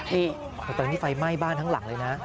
นี่ตอนนี้ไฟไหม้บ้านทั้งหลังเลยนะ